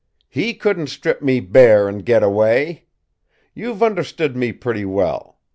He couldn't strip me bare and get away! You've understood me pretty well.